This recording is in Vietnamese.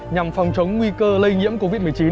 nhằm phòng chống nguy cơ lây nhiễm covid một mươi chín